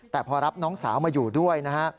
แต่พอรับน้องสาวมาอยู่ด้วยนะฮะ